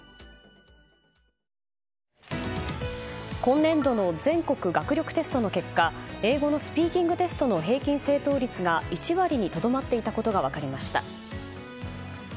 今年度の全国学力テストの結果英語のスピーキングテストの平均正答率が１割にとどまっていたことが分かりました。